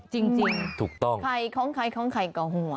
จริงถูกต้องใครของใครของใครก็ห่วง